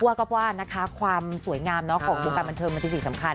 เพราะว่าความสวยงามของการบันเทิงมันที่สิ่งสำคัญ